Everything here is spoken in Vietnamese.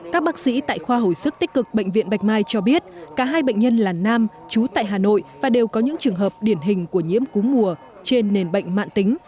các bác sĩ tại khoa hồi sức tích cực bệnh viện bạch mai cho biết cả hai bệnh nhân là nam chú tại hà nội và đều có những trường hợp điển hình của nhiễm cúm mùa trên nền bệnh mạng tính